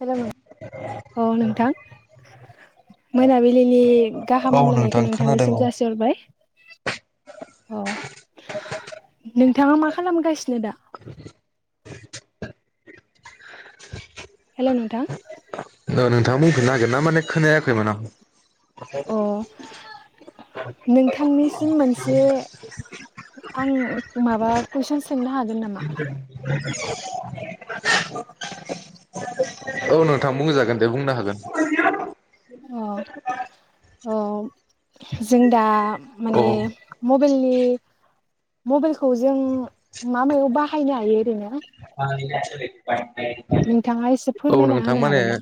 Hello नों औ नोंथां मोनाबिलिनि औ गाहाम नोंथां हामलायनायखौ खोनादों नोंथांनिसिम औ जासिहरबाय अ। नोंथाङा मा खालामगासिनो दा? हेलौ नोंथां ओ नोंथाङा बुंफिननो हागोनना माने खोनायाखैमोन आं अ नोंथांनिसिम मोनसे आं माबा कुइसन सोंनो हागोन नामा? औ नोंथां बुंजागोन दे बुंनो हागोन अ अ जों दा औ माने मबेलनि मबेलखौ जों मा मायाव बाहायनो हायो ओरैनो? [inaudible] नोंथाङा एसे औ फोरमायना नोंथां होनो माने हागोन ना?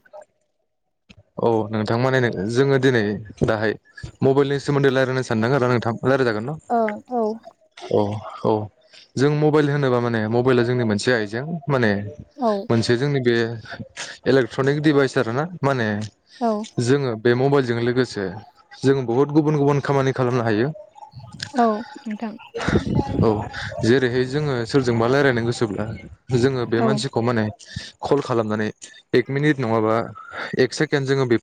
[inaudible] औ नोंथां माने जोङो दिनै दाहाय मबेलनि सोमोन्दै रायलायनो सानदों आरो नोंथां लाराय जागोन न ओं औ अ औ जों मबेल होनोबा माने मबेला जोंनि मोनसे आइजें माने औ मोनसे जोंनि बे इलेक्ट्रनिक डिभाइस आरोना माने जोङो बे मबाइलजों लोगोसे जों बहुत गुबुन गुबुन खामानि खालामनो हायो औ नोंथां औ जेरैहाय जोङो सोरजोंबा लायरायनो गोसोब्ला जोङो बे औ मानसिखौ माने खल खालामनानै एक मिनिट नङाबा एक सेकेण्ड जोङो बे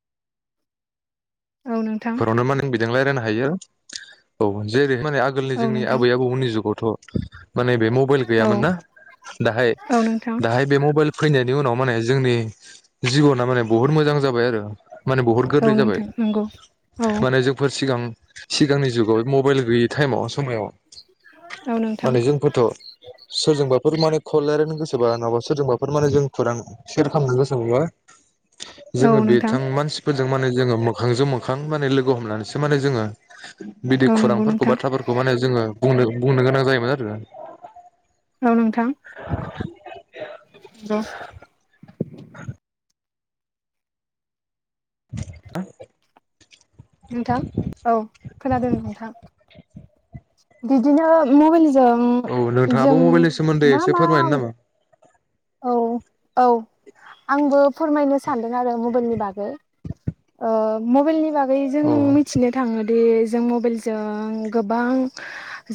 औ नोंथां फोरावनो माने बिदों लायरायनो हायो औ जेरै माने आगोलनि औ जोंनि नोंथां आबै आबौमोननि जुगावथ माने बे मबेल औ गैयामोन ना दाहाय औ नोंथां दाहाय बे मबेल फैनायनि उनाव माने जोंनि जिबना माने बहुत मोजां जाबाय आरो माने बहुत औ गोरलै जाबाय नोंथां नंगौ औ माने जोंफोर सिगां सिगांनि जुगाव मबेल गोयै टाइमाव समायाव औ नोंथां माने जोंफोरथ सोरजोंबाफोर माने खल लायरायनो गोसोबा नङाबा सोरजोंबाफोर माने जों खौरां सेयार खालामनो गोसोमोनबा औ जोङो नोंथां बिथां मानसिफोर जों माने जोङो मोखांजों मोखां माने लोगो हमनानैसो माने जोङो बिदि औ नंगौ खौरांफोरखौ नोंथां बाथ्राफोरखौ माने जोङो बुंनो बुंनो गोनां जायोमोन आरो औ नोंथां [unintelligible] [inaudible] नोंथां औ खोनादों नोंथां बिदिनो मबेलनि औ जों नोंथाङाबो जों मबाइलनि सोमोन्दै मा एसे मा? फोरमायनो नामा औ औ आंबो फोरमायनो सानदों आरो मबेलनि बागै ओ मबेलनि बागै जों औ मिथिनो थाङो दि जों मबेलजों गोबां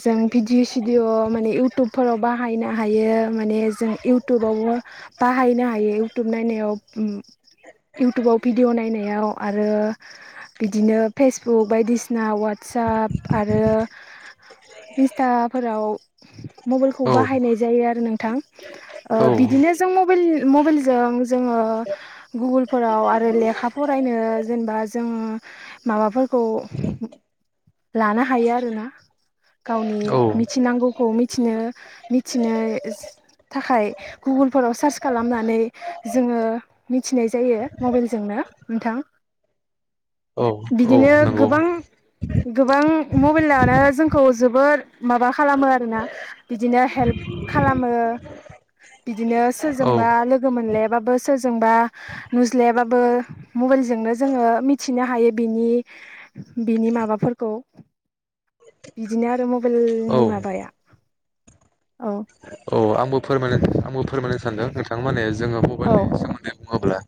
जों भिडिअ सिडिअ माने इउटुबफोराव बाहायनो हायो माने जों इउटुबावबो बाहायनो हायो इउटुब नायनायाव इउटुबाव भिडिअ नायनायाव आरो बिदिनो फेसबुक बायदिसिना वाटसाप आरो इन्स्ताफोराव मबेलखौ औ बाहायनाय जायो आरो नोंथां ओ औ बिदिनो जों मबेल मबेलजों जोङो गुगोल फोराव आरो लेखा फरायनो आ जों माबाफोरखौ लानो हायो आरोना गावनि औ मिथिनांगौखौ मिथिनो मिथिनो थाखाय गुगोलफोराव सार्च खालामनानै जोङो मिथिनाय जायो मबेलजोंनो नोंथां औ औ बिदिनो नंगौ गोबां-गोबां मबेलानो जोंखौ जोबोर माबा खालामो आरोना बिदिनो हेल्प खालामो बिदिनो औ सोरजोंबा लोगो मोनलायाबाबो सोरजोंबा नुज्लायाबाबो मबाइलजोंनो जोङो मिथिनो हायो बिनि बिनि माबाफोरखौ बिदिनो आरो औ मबाइलनि माबाया औ औ आंबो फोरमाय आंबो फोरमायनो सानदों नोंथां माने जोङो औ मबाइलनि सोमोन्दो बुङोब्ला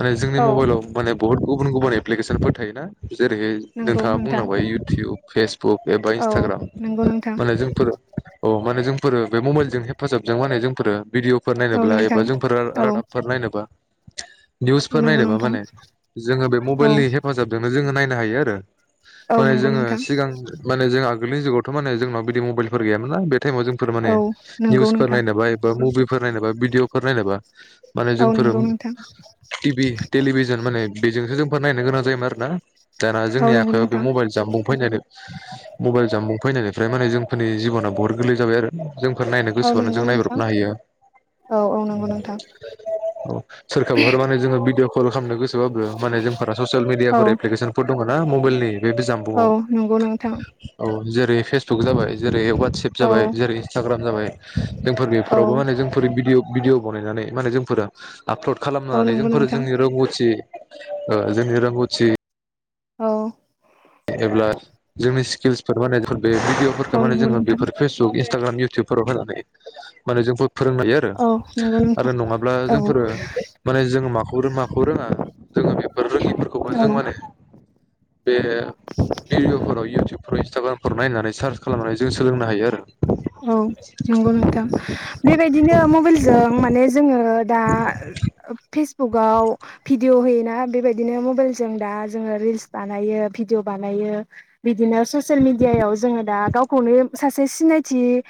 माने जोंनि औ मबाइलाव माने बुहुत गुबुन गुबुन एप्लिकेसनफोर थायोना जेरैहाय नंगौ नोंथाङा नोंथां बुंलांबाय इउटुब फेसबुक एबा औ इन्सटाग्राम नंगौ नोंथां माने जोंफोरा औ माने जोंफोरो बे मबाइलजों हेफाजाबजों माने जोंफोरो भिदिअ' फोर औ नायनोब्ला एबा नोंथां जोंफोर औ रादाबफोर नायनोब्ला औ निउसफोर नंगौ नायबा नोंथां माने जोङो बे औ मबाइलनि हेफाजाबजोंनो जोङो नायनो हायो आरो औ माने नंगौ जोङो नोंथां सिगां माने जोङो आगोलनि जुगावथ' माने जोंनाव बिदि मबाइलफोर गैयामोना बे थाइमाव जों फोर माने औ नंगौ निउसफोर नोंथां नायनोबा एबा मुभिफोर नायबा भिदिअफोर नायनोबा माने औ जोंफोर नंगौ नोंथां टिभि टेलिभिजन माने बेजोंसो जों फोर नायनो गोनां जायोमोन आरोना दाना औ जोंनि नंगौ आखायाव बे नोंथां मबाइल जाम्बुं फैनानै मबाइल जामबुं फैनायनिफ्राय माने जोंफोरनि जिबना बुहुत गोरलै जाबाय आरो जोंफोर नायनो औ गोसोबानो नंगौ जों नोंथां नायब्रबनो हायो औ औ नंगौ नोंथां औ सोरखौबा माने जोङो भिडिअ कल खालामनो गोसोबाबो माने जोंफोरा ससियेल औ मिडियाफोर एप्लिकेसनफोर दङ ना मबाइलनि बे बि औ जाम्बुंआव नंगौ नोंथां औ जेरै फेसबुक जाबाय जेरै ववाटसेएप औ जाबाय इस्टाग्राम जाबाय जोंफोर औ बेफोरावबो माने जोंफोर भिदिअ भिदिअ बानायनानै माने जोंफोरा आपलड औ खालामनानै नंगौ जोंफोरो नोंथां जोंनि रोंगौथि जोंनि रोंगौथि औ एब्ला जोंनि स्किल्सफोर माने बे भिडिअफोरखौ औ माने नंगौ जोङो नोंथां बेफोर फेसबुक इन्सटाग्राम फोराव होनानै माने जोंखौ फोरोंनाय आरो औ नंगौ नोंथां आरो नङाब्ला औ जोंफोरो माने जों माखौ रोङो माखौ रोङा जोङो बेफोर रोङिफोरखौबो औ जों माने बे भिडिअ'फोराव इउटुब इन्स्टाग्रामफोराव नायनानै सार्च खालामनानै जों सोलोंनो हायो आरो औ नंगौ नोंथां बेबायदिनो मबाइलजों माने जोङो दा फिस बुकाव भिदिअ होयोना बेबायदिनो मबाइल जों दा जोङो रिल्स बानायो भिडिअ बानायो बिदिनो ससियेल मिडियायाव जोङो दा गावखौनो सासे सिनाय थि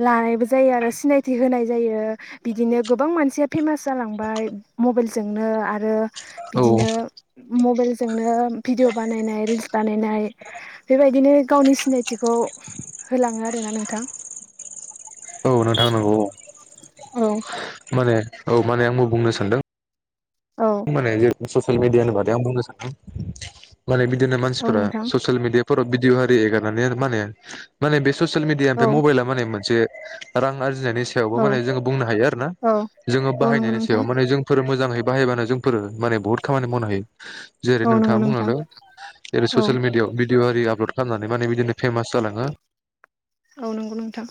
लानायबो जायो आरो सिनायथि होनाय जायो बिदिनो गोबां मानसिया फेमास जालांबाय बाय मबाइलजोंनो आरो औ बिदिनो मबाइलजोंनो भिडिअ बानायनाय रिल्स बानायनाय बेबायदिनो गावनि सिनायथिखौ होलाङो आरोना नोंथां औ नोंथां नांगौ औ औ माने औ माने आंबो बुंनो सानदों औ माने जेरेै ससियेल मिडियानि बादै आं बुंनो सानदों माने बिदिनो औ मानसिफोरा नोंथां ससियेल मिडिया फोराव भिदिअ आरि एगारनानै माने माने बे ससियेल मिडियानि औ मबाइला मे मोनसे रां आर्जि नायनि सायावबो औ जों बुंनो हायो आरो ना औ जों औ नंगौ बाहायनायनि नोंथां सायाव जोंफोर मोजाङै बायबानो फोर माने बुहुत खामानि मावनो हायो जेरै औ नंगौ नोंथाङा नोंथां बुंलांदों जेरै औ ससियेल मिडियाआव भिदिअ लद खालामनानै माने बिदिनो फेमास जालाङो औ नंगौ नोंथां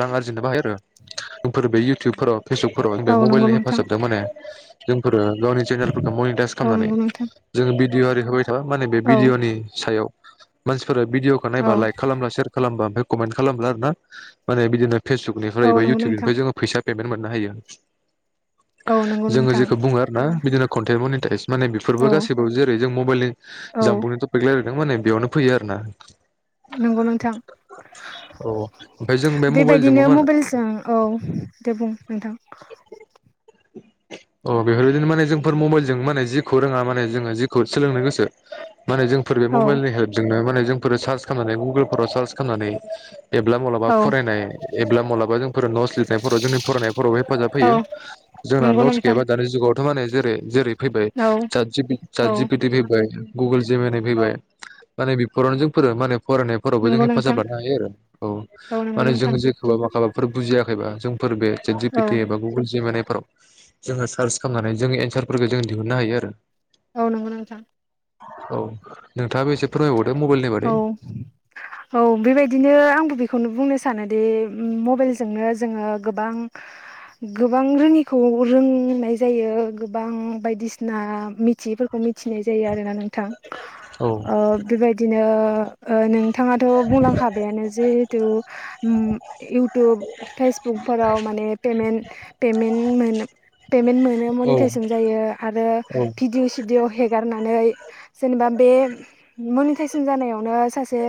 रां आरजिनोबो हायो आरो इउटुबफोराव फेसबुकफोराव बे औ नंगौ मबाइलनि नोंथां हेफाजाबजों माने जोंफोरो गावनि चेनेलफोरखौ मनिटाइस औ खालामनानै नंगौ नोंथां जोङो भिडिअ' आरि होबाय थाबा माने बे औ भिडिअ'नि सायाव मानसिफोरा भिदिअखौ औ नायबा लाइक खालामब्ला सेयार खालामबा ओमफ्राय कमेन्ट खालामबा आरो ना माने बिदिनो औ फेसबुकनिफ्राय एबा नंगौ नोंथां इयउटुबनिफ्राय जोङो फैसा पेमेन्ट मोननो हायो औ नंगौ नोंथां मा आरो ना बिदि नो कन्टेन्ट मनेताइज माने बेफोरबो औ गासैबो जेरै जों मबाइलनि औ जुंनि तपिक नों मोने बेयावनो फैयो आरो ना नंगौ नोंथां औ ओमफ्राय जों बे मबाइलजोंबो बेबायदिनो मा मबाइलजों औ दे बुं नोंथां अ बेफोरबायदिनो माने जोंफोर मबाइलजों माने जिखौ रोङा माने जोङो जिखौ सोलोंनो गोसो माने जोंफोर बे औ मबाइलनि हेल्पजोंनो माने जोंफोर सार्च खालामनानै गुगोलफोराव सार्च खालामनानै एब्ला माब्लाबा औ फरायनाय एब्ला माब्लाबा जोंफोर नट'स लिरनायफोराव जोंनि फरायनायफोराव बे हेफाजाब औ होयो जोंना नंगौ नट'स नोंथां गैयाबा दानि जुगावथ' माने जेरै जेरै फैबाय औ जा जिपि जा औ जिपिटि फैबायबाय गुगोल जिमिनि औ फैबाय माने बिफोरावनो जों फोरो माने फरायनायफोरावबो जों नंगौ नोंथां हेफाजाब लानो हायो आरो औ नंगौ माने जों नोंथां जेखौबा मा फोर बुजियाखैबा जोंफोर बे जि पि औ टी एबा गुगोल जेमा फोराव जोङो सार्च खालामनानै जों एन्सारफोरखौ जो दिहुननो हायो आरो औ नंगौ नोंथां औ नोंथाङाबो एसे फोरमायबाव औ औ बेबायदिनो आंबो बेखौनो बुंनोसै सानोदि मबाइलजोंनो जोङो गोबां गोबां रोङिखौ रोंनाय जायो गोबां बायदिसिना मिथियैफोरखौ मिथि थिनाय जायो आरोना नोंथां औ ओ बेबायदिनो ओ नों थाङाथ' बुंलांखाबायानो जिहेथु उम इउटुब फेसबुकफोराव माने ने पेमेन्ट पेमेन मोन नो पेमेन मोनो औ मोनितायजन आरो भिडिअ सिदिअ हेगार नानै जेनेबा बे मनेतायसन जानायावनो सासे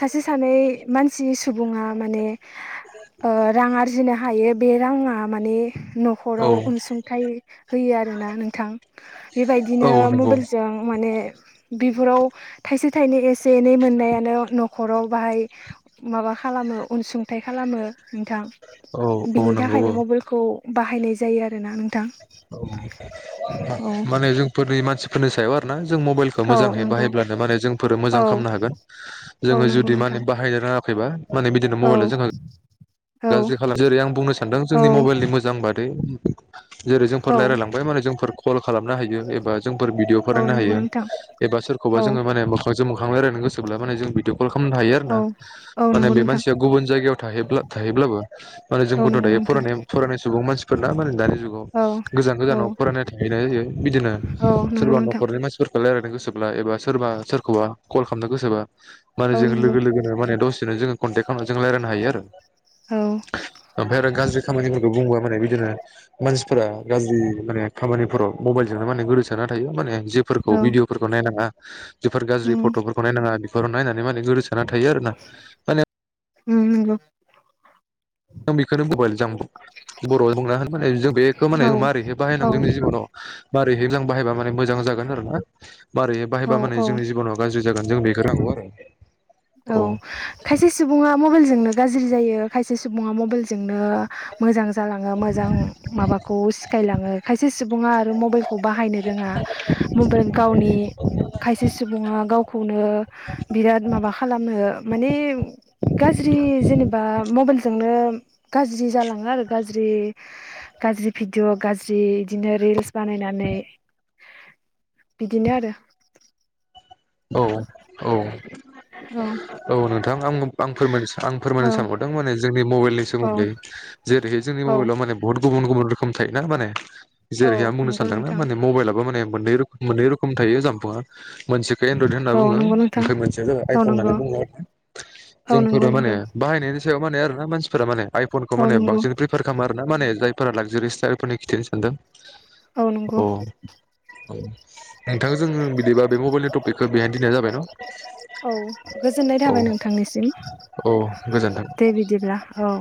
सासे सानै मानसि सुबुं आ माने ओ रां आरजिनो हा हायो बे राङा माने औ न'खराव अनसुंथाइ होयो आरोना नोंथां औ बेबायदिनो नंगौ मबाइलजों माने बिफोराव थाइसे थाइनै एसे एनै मोननायानो न'खराव बाहाय माबा खालामो अनसुंथाइ खाला मो नोंथां औ औ बिनि नंगौ औ थाखायनो मबेलखौ बाहायनाय जायो आरो ना नों औ माने जोंफोरनि मानसिफोरनि सायाव आरो ना जों मबाइलखौ औ मोजांयै नंगौ बाहायब्लानो मा जोंफोरो औ मोजां खालामनो हागोन औ जोङो नंगौ जुदि नोंथां माने बाहायनो रोङाखैबा माने बिदिनो औ मबाइल जोंहा औ गाज्रि खालाम जेरै आं बुंनो सानदों औ जोंनि मबाइलनि मोजां बादै जेरै जोंफोर औ रायजलायलांबाय माने जोंफोर कल खालामनो हायो एबा जोंफोर भिदिअ फोर औ नायनो नंगौ हायो नोंथां एबा सोरखौबा औ जोङो माने बा जों मोखां रालाइनो गोसो ब्ला बिदिय कल खामनो हायो आरो औ ना औ माने नंगौ बे नोंथां मानसिया गुबुन जायगायाव थाहैब्ला थाहै ब्लाबो माने औ जोंबो थ नंगौ दायो नोंथां फरायनाय सुबुं मानसिफोरना माने जुगाव औ गोजान औ गोजानाव फरायनाय थाहैनाय जायो बिदिनो औ नंगौ सोरबा नोंथां न'रनि मानसिफोरखौ रायला नो गोसोब्ला एबा सोरबा सोरखौबा कल खालामनो गोसोबा माने औ जों नंगौ लोगो लोगोनो माने दसेनो जों कन्टेक्ट खालामनानै जों रायजलायनो हायो आरो औ ओमफ्राय आरो गाज्रि खामानिफोरखौ बुंबा माने बिदिनो मानसिफोरा गाज्रि माने खामानिफोराव मबाइलजोंनो माने गोदोसोना थायो माने बि जेफोरखौ औ भिदिअफोरखौ नायनाङा जफोर गाज्रि उम फट'फोरखौ नायनाङा बेफोराव नायनानै माने गो दोना थायो आरोना माने उम नंगौ आं बेखौनो मबाइल जामखौ बर'आव बुंना माने जों बेखौ माने औ मारैहै औ बाहायनांगौ जोंनि जिबनाव मारैहैबा बाहायबा माने मोजां जागोन आरो ना मारै औ बाहायबा माने औ जोंनि जिब'नाव गाज्रि जागोन जों बेखौ रोंगौ आरो औ खायसे सुबुङा मबाइलजों नो गाज्रि जायो खायसे सुबुङा मबाइल जों जोंनो मोजां जालांओ मोजां माबाखौ सिखाइ लांओ खाइसे सुबुंआ आरो मबे खौ बाहायनो रोङा मबे गावनि खायसे सुबुङा गावखौनो बिराद माबा ओ माने गाज्रि जेनेबा मबाइलजों जोंनो गाज्रि जालाङो आरो गाज्रि गाज्रि भिडिअ गाज्रि इदिनो रिल्स बानायनानै बिदिनो आरो। औ औ। [inaudible] औ नोंथां आंब आं फोरमायनो सान आं औ फोरमानो सानबावदों माने जोंनि मबाइलनि औ सोमोन्दै जे - जेरैहाय जोंनि औ मबाइलाव माने बहुत गुबुन गुबुन रोखोम थायोना माने औ जेरैहाय आं बुंनो नंगौ सानदोंना नोंथां माने मबाइलाबो माने मोननै रोम मोननै रोखोमनि थायो जानबुंआ [unintelligible] एनड्रयड होनना औ बुङो नंगौ नोंथां ओमफ्राय मोनसेया जाबाय औ आइफन होननानै नंगौ बुङो। औ नंगौ जोंफोरो माने नंगौ बाहायनायनि सायाव माने आरोना मानसि फोरा माने आइफन खौ औ माने नंगौ बांसिन प्रिफार खालामो आरोना माने जायफोरा लागजारिस स्टाइलफोरननि खिथिनो सानदों। औ औ नोंथां जोङो बिदिबा बे मबाइलनि टपिक खो बेहायनो दोननाय जाबाय न'? औ गोजोननाय औ थाबाय नोंथांनिसिम। औ गोजोन्थों दे बिदिब्ला औ।